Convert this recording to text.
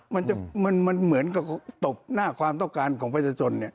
มันจะมันเหมือนกับตบหน้าความต้องการของประชาชนเนี่ย